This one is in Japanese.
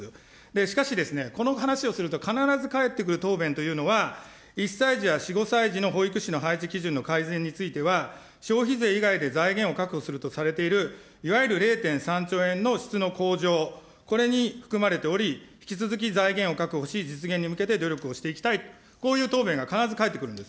しかしですね、この話をすると、必ず返ってくる答弁というのは、１歳児や４、５歳児の保育士の配置基準の改善については、消費税以外で財源を確保するとされている、いわゆる０．３兆円の質の向上、これに含まれており、引き続き財源を確保し、実現に向けて努力をしていきたい、こういう答弁が必ず返ってくるんです。